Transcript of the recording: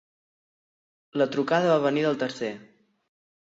La trucada va venir del tercer.